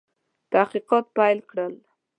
تحقیقات پیل کړل.